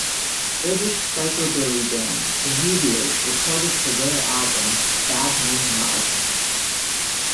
British Psychobilly band The Meteors recorded for their album "Bad Moon Rising".